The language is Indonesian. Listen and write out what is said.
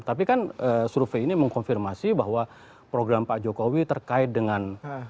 tapi kan survei ini mengkonfirmasi bahwa program pak jokowi terkait dengan